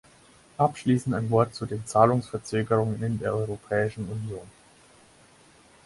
Abschließend ein Wort zu den Zahlungsverzögerungen in der Europäischen Union.